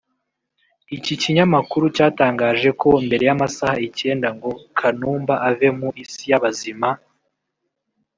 Iki kinyamakuru cyatangaje ko mbere y’amasaha icyenda ngo Kanumba ave mu isi y’abazima